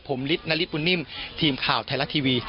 ผมนาริตนาริตบุญนิ่มทีมข่าวไทรลักษณ์ทีวี